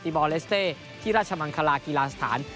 บอลเลสเต้ที่ราชมังคลากีฬาสถาน